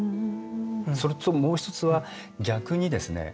それともう一つは逆にですね